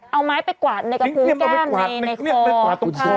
เอาไม้ไปกวาดในกระพูแก้มในคอตรวจจมูก